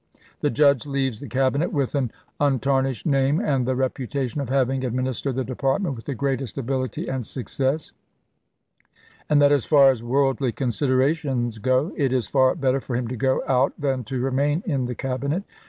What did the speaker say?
... The Judge leaves the Cabinet with an untar nished name and the reputation of having admin istered the department with the greatest ability and success ; and that as far as worldly considera tions go, it is far better for him to go out than to remain in the Cabinet.